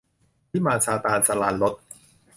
วิมานซาตาน - สราญรส